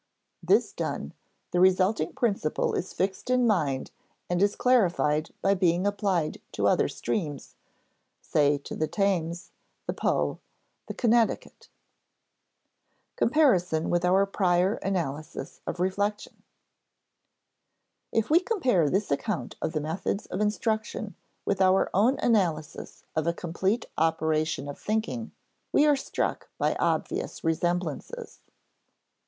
This done, the resulting principle is fixed in mind and is clarified by being applied to other streams, say to the Thames, the Po, the Connecticut. [Sidenote: Comparison with our prior analysis of reflection] If we compare this account of the methods of instruction with our own analysis of a complete operation of thinking, we are struck by obvious resemblances.